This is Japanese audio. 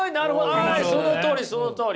あそのとおりそのとおり！